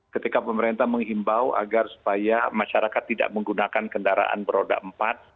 ketika pemerintah menghimbau agar supaya masyarakat tidak menggunakan kendaraan beroda empat